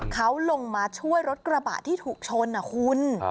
เขาลงมาช่วยรถกระบะที่ถูกชนคุณ